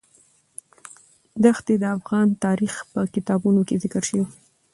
ښتې د افغان تاریخ په کتابونو کې ذکر شوی دي.